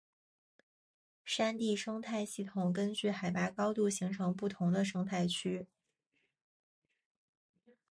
山地生态系统根据海拔高度形成不同的生态区。